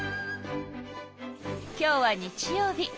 今日は日曜日。